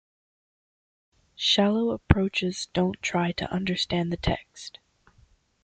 Shallow approaches don't try to understand the text.